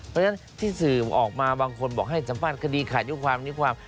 เพราะฉะนั้นที่สื่อออกมาบางคนบอกให้สัมภาษณ์คดีขาดยุความนิความ